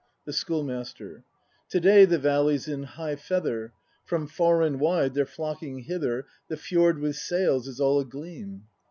The Schoolmaster. To day the valley's in high feather. From far and wide they're flocking hither. The fjord with sails is a" agleam.